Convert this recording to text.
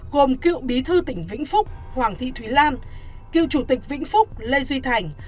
gồm cựu bí thư tỉnh vĩnh phúc hoàng thị thúy lan cựu chủ tịch vĩnh phúc lê duy thành